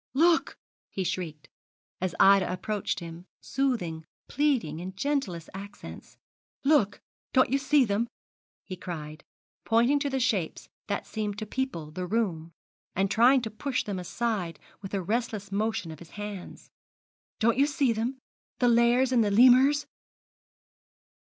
'Look!' he shrieked, as Ida approached him, soothing, pleading in gentlest accents; 'look! don't you see them?' he cried, pointing to the shapes that seemed to people the room, and trying to push them aside with a restless motion of his hands; 'don't you see them, the lares and lemures?